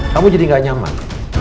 kamu jadi gak nyaman